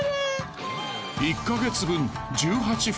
１か月分１８袋。